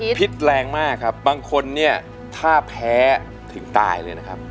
พิษแรงมากครับบางคนเนี่ยถ้าแพ้ถึงตายเลยนะครับ